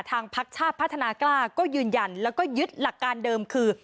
พักชาติพัฒนากล้าก็ยืนยันแล้วก็ยึดหลักการเดิมคือ